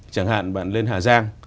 chẳng hạn bạn lên hà giang